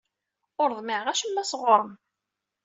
Ur ḍmiɛeɣ acemma sɣur-m.